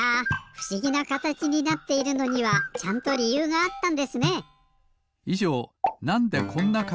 ふしぎなかたちになっているのにはちゃんとりゆうがあったんですね。